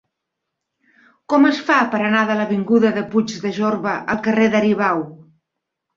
Com es fa per anar de l'avinguda de Puig de Jorba al carrer d'Aribau?